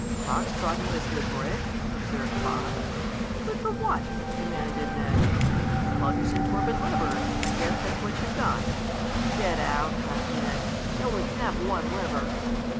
"Fox trotting is good for it," observed Bob. "Good for what?" demanded Ned. "Sluggish and torpid livers. I guess that's what you've got." "Get out!" laughed Ned. "I only have one liver."